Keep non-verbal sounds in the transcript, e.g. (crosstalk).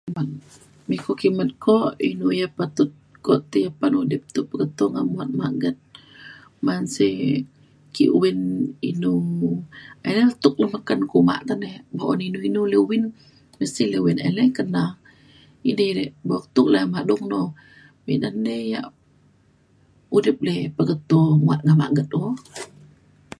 mengiikut kimet ko inu ia’ pa ko ti pan udip tu ngan ngebuat maget ban sik (unintelligible) inu e tuk lu peken kuma neh. bo un inu inu lu win mesti ilu ele ke na edei re buk tu le madung no. ina nei yak udip le pengebuat ngan maget